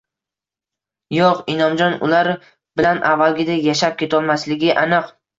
Yo`q, Inomjon ular bilan avvalgidek yashab ketolmasligi aniq